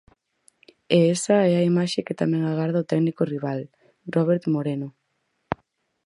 E esa é a imaxe que tamén agarda o técnico rival, Robert Moreno.